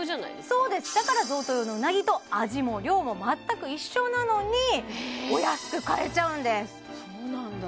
そうですだから贈答用のうなぎと味も量も全く一緒なのにお安く買えちゃうんですそうなんだ